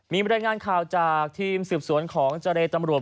มีบริงารข่าวจากธีมศิลป์สวนของเจรติตำรวจ